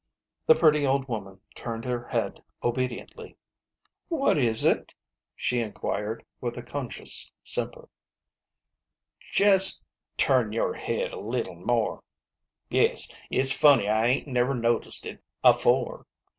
The pretty old woman turned her head obediently. u What is it?" she inquired, with a conscious simper. "Jest turn your head a leetle more. Yes, it's funny I SISTER LIDDY. 8 5 ain't never noticed it afore.